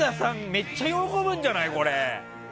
めっちゃ喜ぶんじゃない？